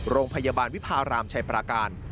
โรงพยาบาลวิพารามชัยปราการ